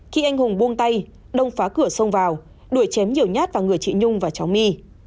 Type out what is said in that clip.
khi anh hùng buông tay đông phá cửa sông vào đuổi chém nhiều nhát vào người chị nhung và cháu my